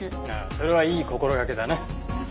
ああそれはいい心がけだね。